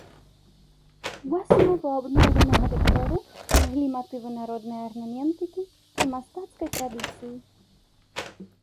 У аснову абноўленага дэкору ляглі матывы народнай арнаментыкі і мастацкай традыцыі.